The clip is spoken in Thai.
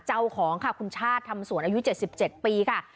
เจ้าของค่ะคุณชาติทำสวนอายุ๗๗ปีค่ะ